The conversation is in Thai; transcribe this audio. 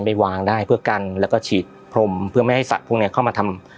ไปวางได้เพื่อกันแล้วก็ฉีดพรมเพื่อไม่ให้สัตว์พวกเนี้ยเข้ามาทำ